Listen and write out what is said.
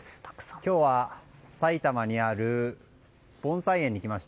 今日は埼玉にある盆栽園に来ました。